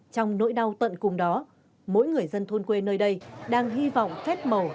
trong nỗi đau tận cùng đó mỗi người dân thôn quê nơi đây đang hy vọng phép màu